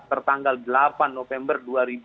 pertanggal delapan november dua ribu dua puluh dua